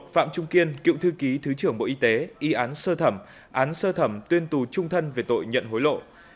một phạm trung kiên cựu thư ký thứ trưởng bộ y tế y án sơ thẩm án sơ thẩm tuyên tù trung thân về tội nhận hối lộ